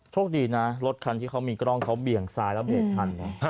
โชคดีนะรถคันที่เขามีกล้องเขาเบี่ยงซ้ายแล้วเบรกทันไง